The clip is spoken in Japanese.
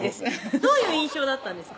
どういう印象だったんですか？